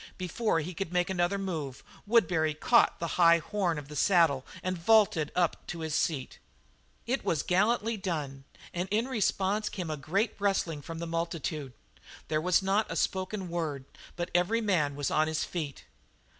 Before he could make another move, Woodbury caught the high horn of the saddle and vaulted up to his seat. It was gallantly done and in response came a great rustling from the multitude; there was not a spoken word, but every man was on his feet.